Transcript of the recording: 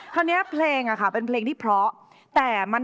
กีดกันด้วยภูภาสูงชั้น